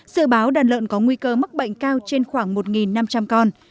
dự báo đàn lợn có nguy cơ mắc bệnh cao trên khoảng một năm trăm linh con